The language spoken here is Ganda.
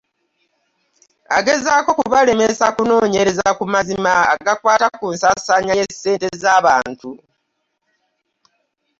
Agezaako kubalemesa kunoonyereza ku mazima agakwata ku nsaasaanya ya ssente za bantu.